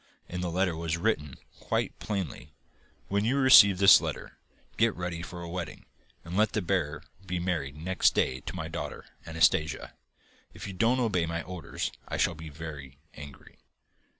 In the letter was written, quite plainly: 'When you receive this letter, get ready for a wedding, and let the bearer be married next day to my daughter, Anastasia. If you don't obey my orders I shall be very angry.